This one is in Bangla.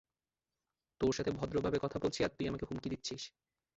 তোর সাথে ভদ্রভাবে কথা বলছি আর তুই আমাকে হুমকি দিচ্ছিস?